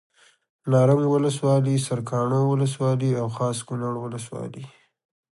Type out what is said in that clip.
نرنګ ولسوالي سرکاڼو ولسوالي او خاص کونړ ولسوالي